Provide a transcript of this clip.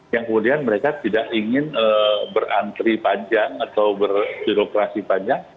yang kemudian mereka tidak ingin berantri panjang atau berbirokrasi panjang